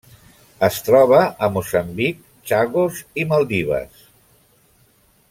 Es troba a Moçambic, Chagos i Maldives.